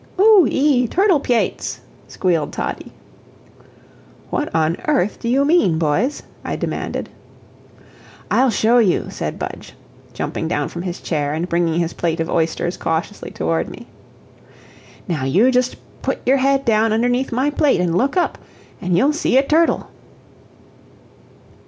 "Oo ee turtle pyates," squealed Toddie. "What on earth do you mean, boys?" I demanded. "I'll show you," said Budge, jumping down from his chair and bringing his plate of oysters cautiously toward me. "Now you just put your head down underneath my plate, and look up, and you'll see a turtle."